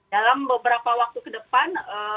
dalam beberapa waktu ke depan